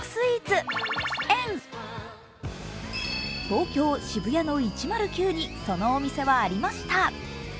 東京・渋谷の１０９にそのお店はありました。